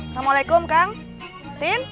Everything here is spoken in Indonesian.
assalamualaikum kang tin